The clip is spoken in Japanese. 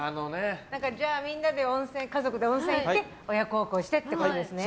じゃあみんなで家族で温泉行って親孝行してっていうことですね。